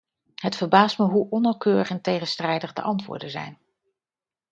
Het verbaast me hoe onnauwkeurig en tegenstrijdig de antwoorden zijn.